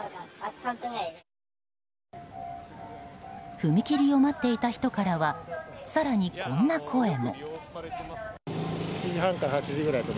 踏切を待っていた人からは更に、こんな声も。